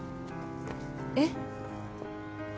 えっ？